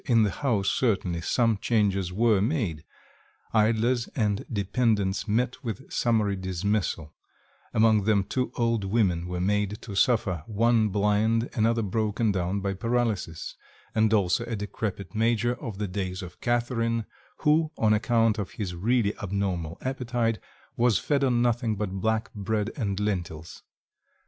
In the house, certainly, some changes were made; idlers and dependants met with summary dismissal; among them two old women were made to suffer, one blind, another broken down by paralysis; and also a decrepit major of the days of Catherine, who, on account of his really abnormal appetite, was fed on nothing but black bread and lentils.